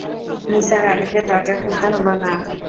নিসার আলিকে দরজা খুলতে হল না।